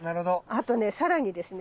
あとね更にですね